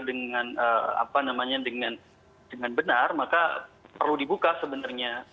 dengan benar maka perlu dibuka sebenarnya